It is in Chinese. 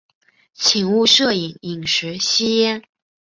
请勿摄影、饮食、吸烟